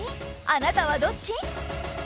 あなたはどっち？